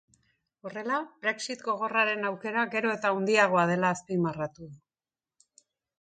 Horrela, brexit gogorraren aukera gero eta handiagoa dela azpimarratu du.